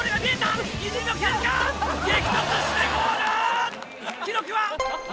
激突してゴール！